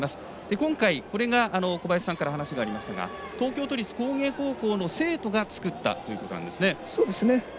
今回、これが小林さんから話がありましたが東京都立工芸高校の生徒が作ったということなんです。